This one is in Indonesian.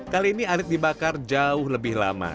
kali ini arit dibakar jauh lebih lama